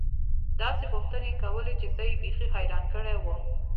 داسې پوښتنې يې کولې چې زه يې بيخي حيران کړى وم.